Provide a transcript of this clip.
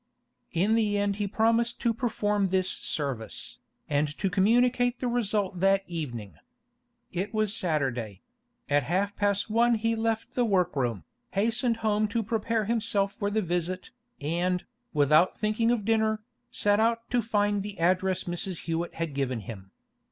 In the end he promised to perform this service, and to communicate the result that evening. It was Saturday; at half past one he left the workroom, hastened home to prepare himself for the visit, and, without thinking of dinner, set out to find the address Mrs. Hewett had given him.